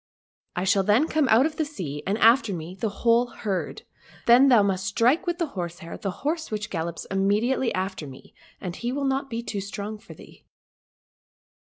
I shall then come out of the sea, and after me the whole herd ; then thou must strike with the horsehair the horse which gallops im.mediately after me, and he will not be too strong for thee."